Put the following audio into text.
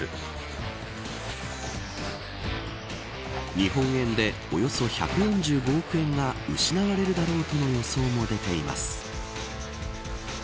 日本円でおよそ１４５億円が失われるだろうとの予想も出ています。